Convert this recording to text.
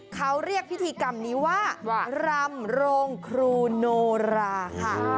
เขาเรียกพิธีกรรมนี้ว่ารำโรงครูโนราค่ะ